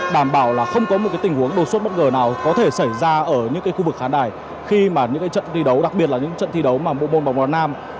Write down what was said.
đảm bảo là không có một tình huống đột xuất bất ngờ nào có thể xảy ra ở những khu vực khán đài khi mà những trận thi đấu đặc biệt là những trận thi đấu mà bộ môn bóng đá nam